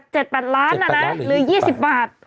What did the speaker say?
จาก๗๘ล้านลิ้นยาย๒๐บาท